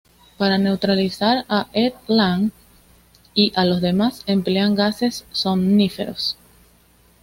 Para neutralizar a Ed, "Lang" y a los demás, emplean gases somníferos.